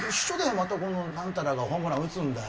またこの何たらがホームラン打つんだよ